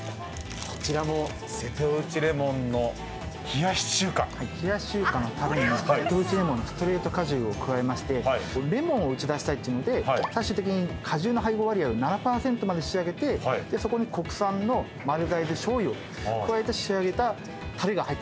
冷やし中華のたれに瀬戸内レモンのストレート果汁を加えましてレモンを打ち出したいっていうので最終的に果汁の配合割合を７％まで仕上げてそこに国産の丸大豆しょうゆを加えて仕上げたたれが入ってます。